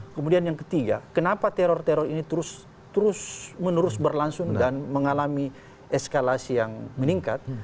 kemudian yang ketiga kenapa teror teror ini terus menerus berlangsung dan mengalami eskalasi yang meningkat